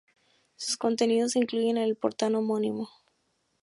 Sus contenidos se incluyen en el portal homónimo.